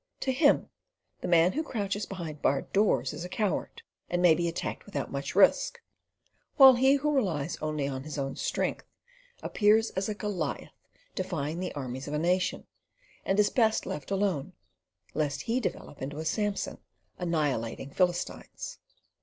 To him, the man who crouches behind barred doors is a coward, and may be attacked without much risk, while he who relies only on his own strength appears as a Goliath defying the armies of a nation, and is best left alone, lest he develop into a Samson annihilating Philistines.